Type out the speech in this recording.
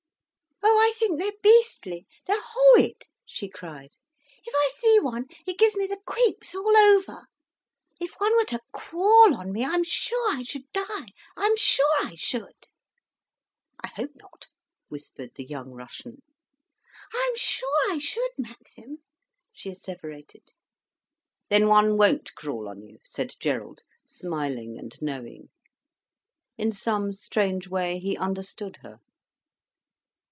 "Oh, I think they're beastly, they're horrid," she cried. "If I see one, it gives me the creeps all over. If one were to crawl on me, I'm sure I should die—I'm sure I should." "I hope not," whispered the young Russian. "I'm sure I should, Maxim," she asseverated. "Then one won't crawl on you," said Gerald, smiling and knowing. In some strange way he understood her.